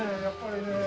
やっぱりね。